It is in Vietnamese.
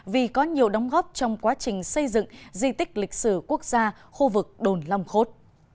vì có nhiều đóng góp trong quá trình xây dựng di tích lịch sử quốc gia khu vực đồn long khốt